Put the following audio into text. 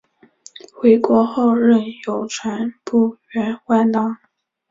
回国后任邮传部员外郎。